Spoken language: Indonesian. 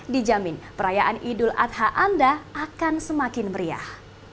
dijamin perayaan idul adha anda akan semakin meriah